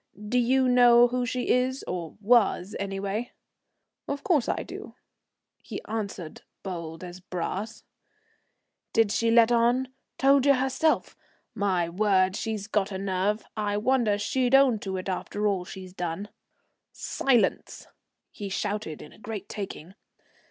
Do you know who she is or was, anyway?" "Of course I do," he answered bold as brass. "Did she let on? Told you, herself? My word! She's got a nerve. I wonder she'd own to it after all she's done." "Silence!" he shouted, in a great taking.